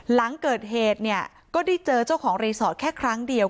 หลังเกิดเหตุเนี่ยก็ได้เจอเจ้าของรีสอร์ทแค่ครั้งเดียว